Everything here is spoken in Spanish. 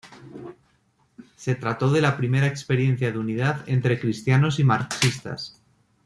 Se trató de la primera experiencia de unidad entre cristianos y marxistas.